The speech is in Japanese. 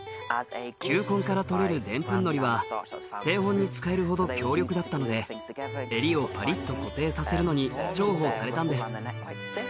球根からとれるでんぷんのりは製本に使えるほど強力だったので襟をパリッと固定させるのに重宝されたんです